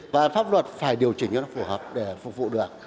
và pháp luật phải điều chỉnh cho nó phù hợp để phục vụ được